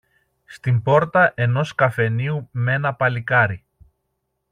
στην πόρτα ενός καφενείου μ' ένα παλικάρι.